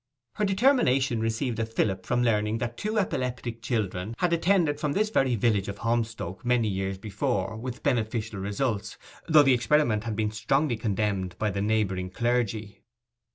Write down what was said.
Her determination received a fillip from learning that two epileptic children had attended from this very village of Holmstoke many years before with beneficial results, though the experiment had been strongly condemned by the neighbouring clergy.